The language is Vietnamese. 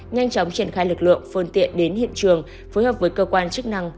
nhanh chóng triển khai lực lượng phương tiện đến hiện trường phối hợp với cơ quan chức năng